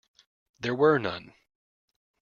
There were none.